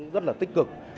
rất là tích cực